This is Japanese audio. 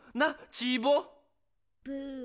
チーボー。